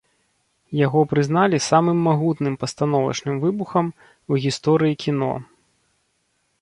Яго прызналі самым магутным пастановачным выбухам у гісторыі кіно.